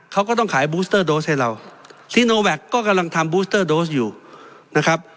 เขาก็ต้องขายไฟเซอร์ให้เรากรณ์โดรสอยู่นะครับ